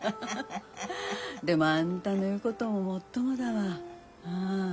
でもあんたの言うことももっともだわ。